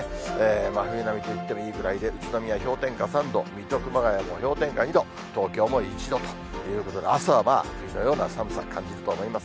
真冬並みと言ってもいいぐらいで、宇都宮氷点下３度、水戸、熊谷も氷点下２度、東京も１度ということで、朝は冬のような寒さ感じると思います。